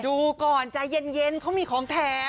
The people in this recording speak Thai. ดูก่อนใจเย็นเขามีของแถม